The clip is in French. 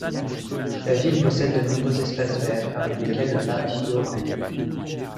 La ville possède de nombreux espaces verts, parmi lesquels le parc Hyohaeng.